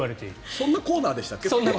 そんなコーナーでしたっけ？